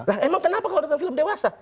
lah emang kenapa kalau nonton film dewasa